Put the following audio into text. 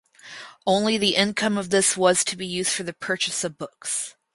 Only the income of this was to be used for the purchase of books.